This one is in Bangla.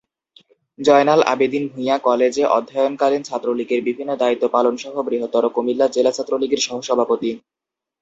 জয়নাল আবেদীন ভুঁইয়া কলেজে অধ্যয়নকালীন ছাত্রলীগের বিভিন্ন দায়িত্ব পালন সহ বৃহত্তর কুমিল্লা জেলা ছাত্রলীগের সহসভাপতি।